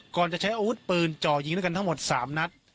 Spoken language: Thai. ก่อนจะใช้อาวุธปืนจ่อยิงด้วยกันทั้งหมด๓นัด